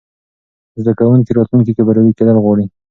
زده کوونکي راتلونکې کې بریالي کېدل غواړي.